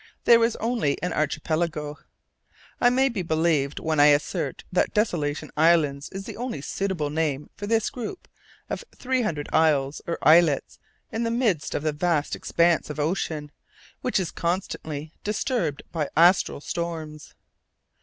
There was only an archipelago. I may be believed when I assert that Desolation Islands is the only suitable name for this group of three hundred isles or islets in the midst of the vast expanse of ocean, which is constantly disturbed by austral storms.